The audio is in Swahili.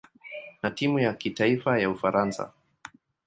na timu ya kitaifa ya Ufaransa.